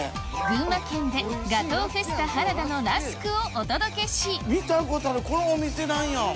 群馬県でガトーフェスタハラダのラスクをお届けし見たことあるこのお店なんや。